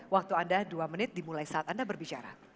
waktu anda dua menit dimulai saat anda berbicara